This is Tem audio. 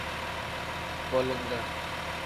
Boliga.